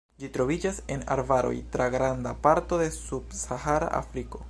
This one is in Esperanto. Ĝi troviĝas en arbaroj tra granda parto de subsahara Afriko.